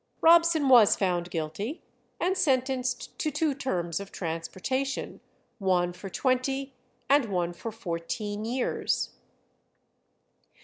Robson was found guilty, and sentenced to two terms of transportation, one for twenty and one for fourteen years.